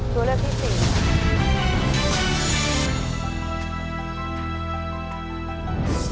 ตัวเลือกที่๔ครับ